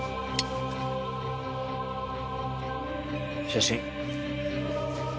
写真。